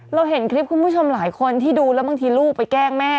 เราเห็นคลิปคุณผู้ชมหลายคนที่ดูแล้วบางทีลูกไปแกล้งแม่